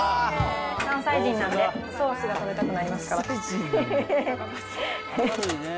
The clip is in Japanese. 関西人なんで、ソースが食べたくなりますから。